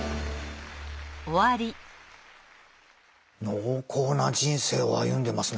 濃厚な人生を歩んでますね。